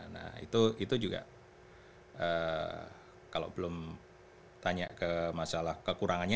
nah itu juga kalau belum tanya ke masalah kekurangannya